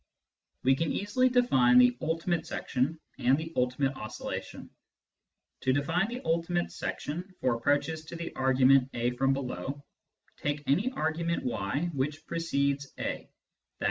We can easily define the " ultimate section " and the " ulti mate oscillation." To define the " ultimate section " for approaches to the argument a from below, take any argument y which precedes a {i.